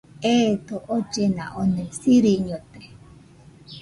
Eedo ollena oni siriñote.